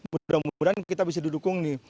mudah mudahan kita bisa didukung nih